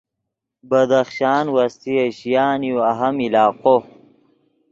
بدخشان وسطی ایشیان یو اہم علاقو